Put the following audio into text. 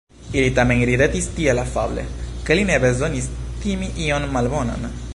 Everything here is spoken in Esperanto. Ili tamen ridetis tiel afable, ke li ne bezonis timi ion malbonan.